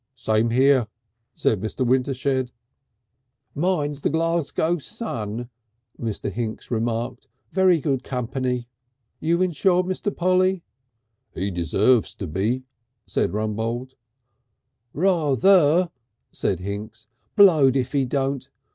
"Same here," said Mr. Wintershed. "Mine's the Glasgow Sun," Mr. Hinks remarked. "Very good company." "You insured, Mr. Polly?" "He deserves to be," said Rumbold. "Ra ther," said Hinks. "Blowed if he don't.